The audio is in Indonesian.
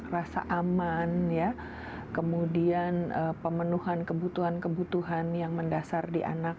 rasa aman kemudian pemenuhan kebutuhan kebutuhan yang mendasar di anak